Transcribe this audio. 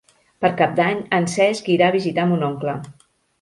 Per Cap d'Any en Cesc irà a visitar mon oncle.